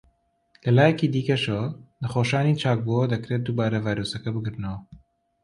لە لایەکی دیکەشەوە، نەخۆشانی چاکبووەوە دەکرێت دووبارە ڤایرۆسەکە بگرنەوە.